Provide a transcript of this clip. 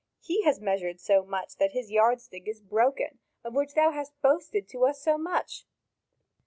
He has measured so much that his yardstick is broken, of which thou hast boasted to us so much."